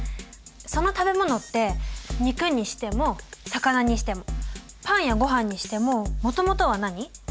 その食べ物って肉にしても魚にしてもパンやごはんにしてももともとは何？